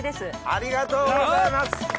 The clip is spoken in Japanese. ありがとうございます！